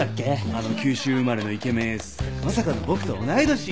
あの九州生まれのイケメンエースまさかの僕と同い年。